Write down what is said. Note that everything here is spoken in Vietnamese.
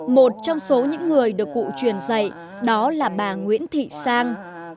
một trong số những người được cụ truyền dạy đó là bà nguyễn thị sang